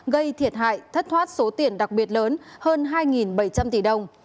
gây thiệt hại thất thoát số tiền đặc biệt lớn hơn hai bảy trăm linh tỷ đồng